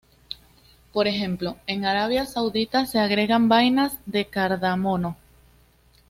Por ejemplo, en Arabia Saudita, se agregan vainas de cardamomo.